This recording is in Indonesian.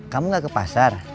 kamu gak ke pasar